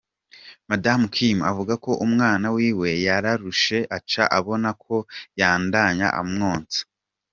Madamu Kim avuga ko umwana wiwe yararushe, aca abona ko yobandanya amwonsa.